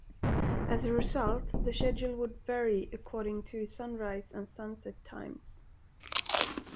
As a result, the schedule would vary according to sunrise and sunset times.